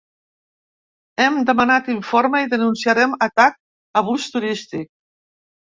Hem demanat informe i denunciarem atac a bus turístic.